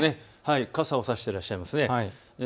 傘を差していらっしゃいますね。